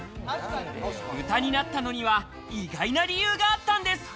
豚になったのには意外な理由があったんです。